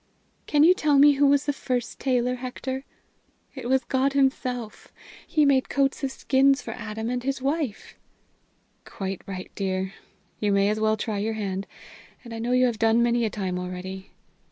Can you tell me who was the first tailor, Hector? It was God himself. He made coats of skins for Adam and his wife." "Quite right, dear. You may well try your hand as I know you have done many a time already.